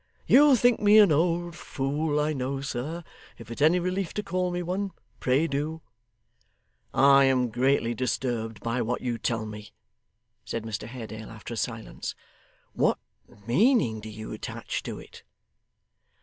You'll think me an old fool, I know, sir. If it's any relief to call me one, pray do.' 'I am greatly disturbed by what you tell me,' said Mr Haredale, after a silence. 'What meaning do you attach to it?